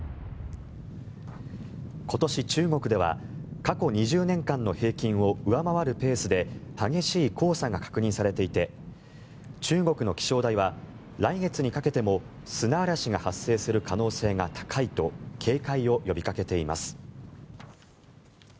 今年、中国では過去２０年間の平均を上回るペースで激しい黄砂が確認されていて中国の気象台は来月にかけても砂嵐が発生する可能性が高いと警戒を呼びかけています。